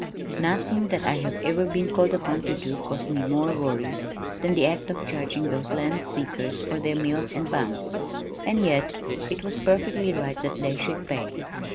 Nothing that I have ever been called upon to do caused me more worry than the act of charging those land seekers for their meals and bunks, and yet it was perfectly right that they should pay.